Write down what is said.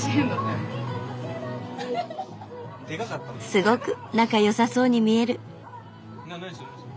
すごく仲良さそうに見える。